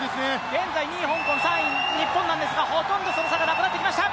現在２位香港、３位日本なんですがほとんどその差がなくなってきました。